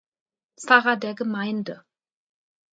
Pfarrer der Gemeinde.